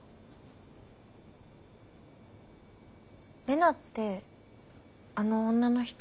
レナってあの女の人？